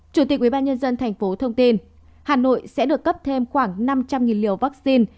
chủ tịch ubnd tp thông tin hà nội sẽ được cấp thêm khoảng năm trăm linh liều vaccine